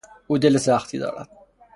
او دل سختی دارد.